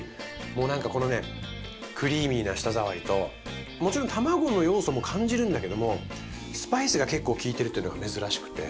もうなんかこのねクリーミーな舌触りともちろんたまごの要素も感じるんだけどもスパイスが結構利いてるっていうのが珍しくて。